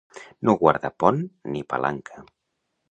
No guardar pont ni palanca.